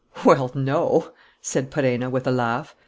"Well, no," said Perenna, with a laugh.